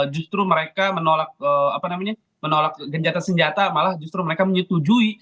justru mereka menolak genjatan senjata malah justru mereka menyetujui